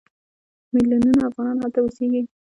میلیونونه افغانان هلته اوسېږي.